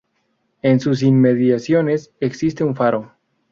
En sus inmediaciones existe un faro.